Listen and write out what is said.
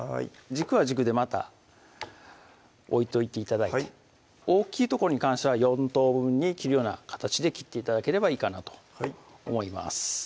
軸は軸でまた置いといて頂いてはい大きいとこに関しては４等分に切るような形で切って頂ければいいかなと思います